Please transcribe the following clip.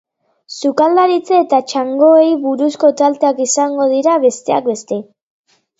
Sukaldaritza eta txangoei buruzko tarteak izango dira, besteak beste.